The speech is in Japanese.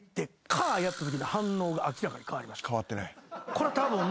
これはたぶん。